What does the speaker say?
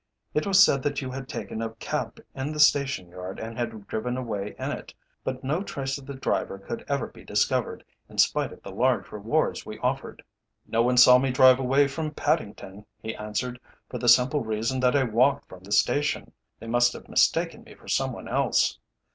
It was said that you had taken a cab in the station yard and had driven away in it, but no trace of the driver could ever be discovered, in spite of the large rewards we offered." "No one saw me drive away from Paddington," he answered, "for the simple reason that I walked from the station. They must have mistaken me for some one else.